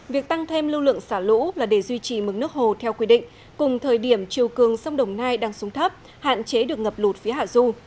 việc tăng thêm lưu lượng xả lũ là để duy trì mực nước hồ theo quy định cùng thời điểm chiều cường sông đồng nai đang xuống thấp hạn chế được ngập lụt phía hạ du